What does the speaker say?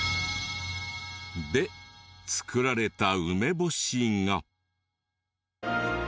で作られた梅干しが。